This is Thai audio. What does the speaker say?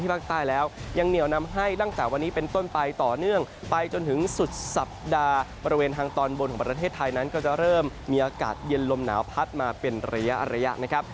บริเวณทางตอนบนของประเทศไทยนั้นก็จะเริ่มมีอากาศเย็นลมหนาวพัดมาเป็นระยะนะครับ